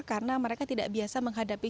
karena mereka tidak biasa menghadapi